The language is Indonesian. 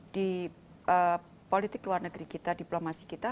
di politik luar negeri kita diplomasi kita